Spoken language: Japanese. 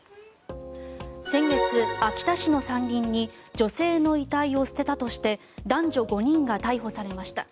先月、秋田市の山林に女性の遺体を捨てたとして男女５人が逮捕されました。